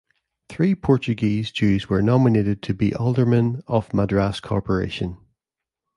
Three Portuguese Jews were nominated to be aldermen of Madras Corporation.